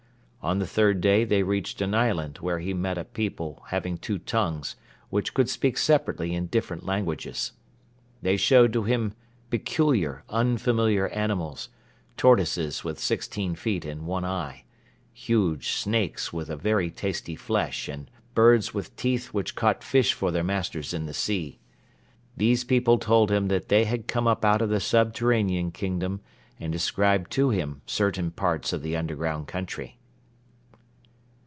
On the third day they reached an island where he met a people having two tongues which could speak separately in different languages. They showed to him peculiar, unfamiliar animals, tortoises with sixteen feet and one eye, huge snakes with a very tasty flesh and birds with teeth which caught fish for their masters in the sea. These people told him that they had come up out of the subterranean kingdom and described to him certain parts of the underground country."